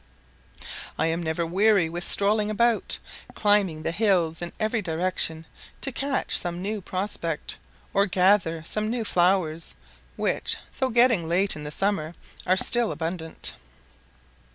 I am never weary with strolling about, climbing the hills in every direction, to catch some new prospect, or gather some new flowers, which, though getting late in the summer, are still abundant.